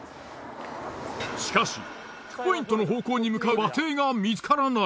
しかしチェックポイントの方向に向かうバス停が見つからない。